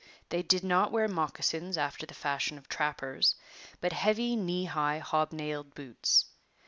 They did not wear moccasins after the fashion of trappers, but heavy, knee high, hobnailed boots.